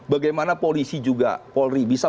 bagaimana polisi juga polri bisa